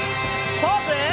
ポーズ！